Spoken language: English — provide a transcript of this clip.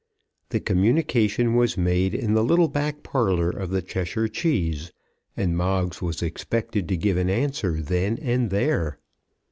The communication was made in the little back parlour of the Cheshire Cheese, and Moggs was expected to give an answer then and there.